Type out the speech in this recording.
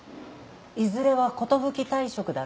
いずれは寿退職だろ？